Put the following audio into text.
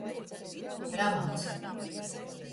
Ramans.